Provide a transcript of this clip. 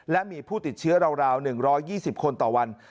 และมีผู้ติดเชื้อราว๑๒๐คนต่อวัน